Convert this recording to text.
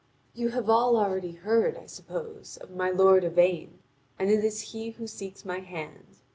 You have all already heard, I suppose, of my lord Yvain, and it is he who seeks my hand.